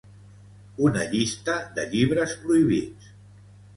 Una llista de llibres prohibits